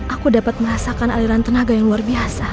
aku dapat merasakan aliran tenaga yang luar biasa